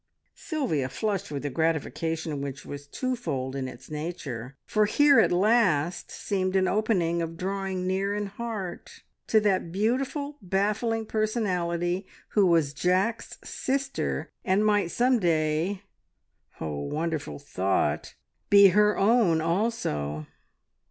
Sylvia flushed with a gratification which was twofold in its nature, for here at last seemed an opening of drawing near in heart to that beautiful, baffling personality, who was Jack's sister, and might some day oh, wonderful thought! be her own also.